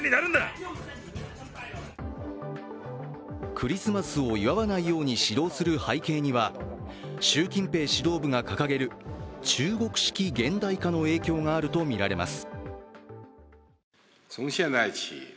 クリスマスを祝わないように指導する背景には習近平指導部が掲げる中国式現代化の影響があると見られます。